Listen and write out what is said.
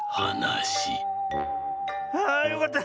ああよかった！